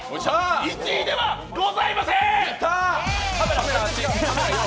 １位ではございません！